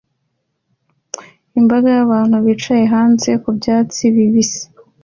Imbaga y'abantu bicaye hanze ku byatsi bibisi